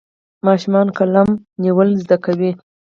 ماشومان قلم نیول زده کوي.